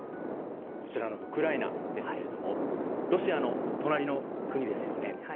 こちらのウクライナですがロシアの隣の国ですよね。